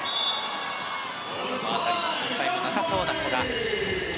その辺り、心配なさそうな古賀。